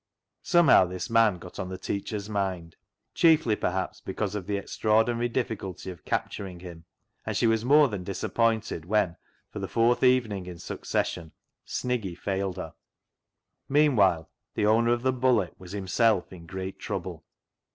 Somehow this man got on the teacher's mind, chiefly, perhaps, because of the extra ordinary difficulty of capturing him, and she was more than disappointed when for the fourth evening in succession Sniggy failed her. Meanwhile the owner of the " Bullet " was himself in great trouble.